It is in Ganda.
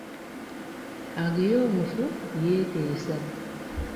Ageya omufu, yeeteesa.